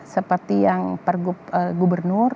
seperti yang pergub gubernur